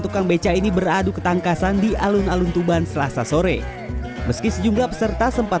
tukang beca ini beradu ketangkasan di alun alun tuban selasa sore meski sejumlah peserta sempat